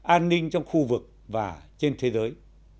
an ninh trong khu vực và trên thế giới